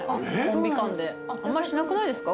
あんまりしなくないですか？